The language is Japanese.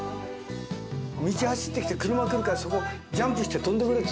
「道走ってきて車来るからそこジャンプして跳んでくれ」